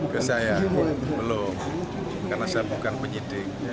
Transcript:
ke saya belum karena saya bukan penyidik